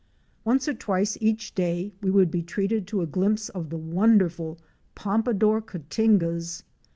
Once or twice each day we would be treated to a glimpse of the wonderful Pompadour Cotingas.'"